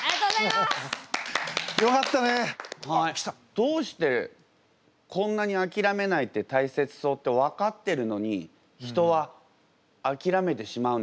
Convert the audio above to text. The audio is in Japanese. どうしてこんなにあきらめないって大切そうって分かってるのに人はあきらめてしまうんですかね？